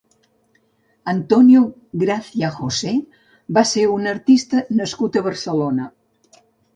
Antonio Gracia José va ser un artista nascut a Barcelona.